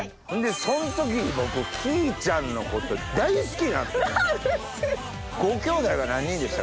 そん時に僕きいちゃんのこと大好きになった。